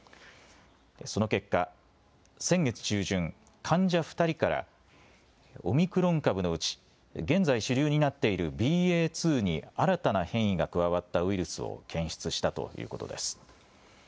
その結果、先月中旬、患者２人からオミクロン株のうち、現在主流になっているＢＡ．２に新たな変異が加わったウイルスを検出したということです。